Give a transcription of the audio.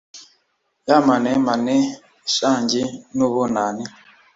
ya manemane ishangi n’ububani